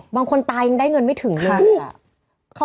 บางคนตายังได้เงินไม่ถึงเลย